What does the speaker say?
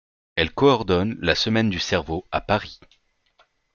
Elle coordonne la semaine du cerveau à Paris.